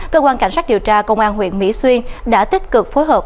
cơ quan cảnh sát điều tra công an huyện mỹ xuyên đã tích cực phối hợp